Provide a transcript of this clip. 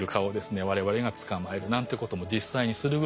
我々が捕まえるなんていうことも実際にするぐらい。